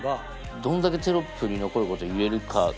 どんだけテロップに残ることを言えるかが。